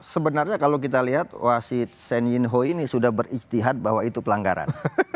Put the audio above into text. sebenarnya kalau kita lihat wasit shen yinho ini sudah beristihad bahwa itu pelanggaran